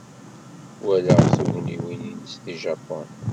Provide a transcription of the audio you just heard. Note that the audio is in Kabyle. Walaɣ tugniwin-nnes deg Japun.